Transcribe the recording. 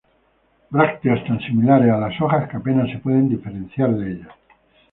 Brácteas tan similares a las hojas que apenas se pueden diferenciar de ellas.